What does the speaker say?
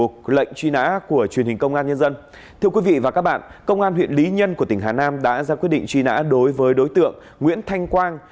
thưa quý vị và các bạn công an huyện lý nhân của tỉnh hà nam đã ra quyết định truy nã đối với đối tượng nguyễn thanh quang